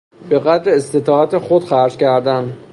به قدر استطاعت خود خرج کردن